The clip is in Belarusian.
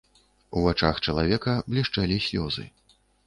У вачах чалавека блішчэлі слёзы.